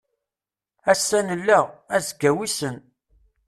Ass-a nella, azekka wissen.